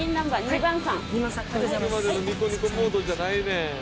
「さっきまでのニコニコモードじゃないねん」